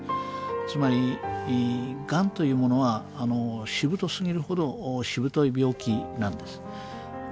つまりがんというものはしぶとすぎるほどしぶとい病気なんです。